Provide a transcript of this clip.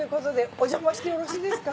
おじゃましてよろしいですか？